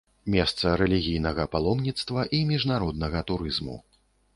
Месца рэлігійнага паломніцтва і міжнароднага турызму.